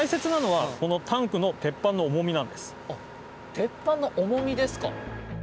鉄板の重みですか。